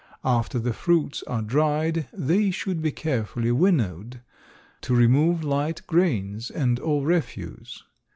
After the fruits are dried they should be carefully winnowed to remove light grains and all refuse.